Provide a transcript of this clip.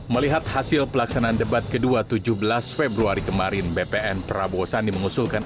melihat hasil pelaksanaan debat kedua tujuh belas februari kemarin bpn prabowo sandi mengusulkan